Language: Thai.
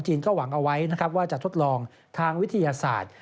จีนก็หวังเอาไว้ว่าจะทดลองทางวิทยาศาสตร์